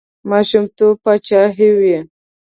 ماشومتوب پاچاهي وي.